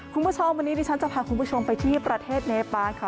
คุณผู้ชมวันนี้ดิฉันจะพาคุณผู้ชมไปที่ประเทศเนปานค่ะ